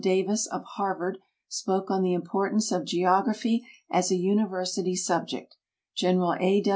Davis, of Harvard, spoke on the importance of geography as a university subject; General A.